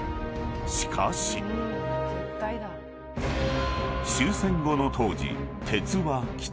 ［しかし］［終戦後の当時］